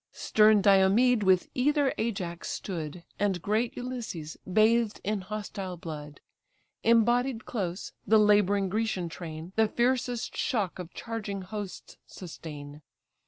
Stern Diomed with either Ajax stood, And great Ulysses, bathed in hostile blood. Embodied close, the labouring Grecian train The fiercest shock of charging hosts sustain.